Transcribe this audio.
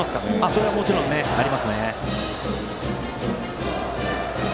それはもちろんありますね。